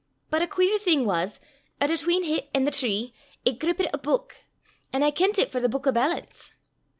But ae queer thing was, 'at atween hit an' the tree it grippit a buik, an' I kent it for the buik o' ballants.